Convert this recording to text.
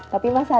tapi masa adeknya